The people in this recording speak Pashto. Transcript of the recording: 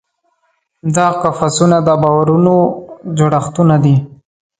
دا قفسونه د باورونو جوړښتونه دي.